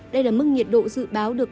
đây là mức nhiệt độ dự báo được